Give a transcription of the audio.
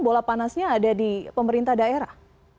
bola panasnya ada di pemerintah daerah